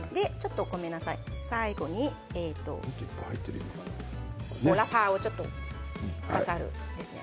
最後にホーラパーをちょっと飾るんですね。